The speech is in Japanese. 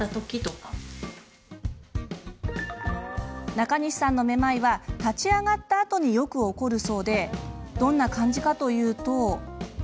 中西さんのめまいは立ち上がったあとによく起こるそうでどんな感じかというと。